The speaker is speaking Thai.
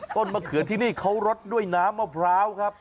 มะเขือที่นี่เขารสด้วยน้ำมะพร้าวครับ